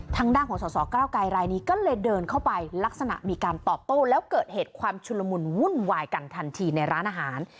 ทางด้านของสสเก้าไกรรายนี้ก็เลยเดินเข้าไปลักษณะมีการตอบโต้แล้วเกิดเหตุความชุลมุนวุ่นวายกันทันทีในร้านอาหาร